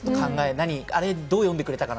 あれ、どう読んでくれたかな？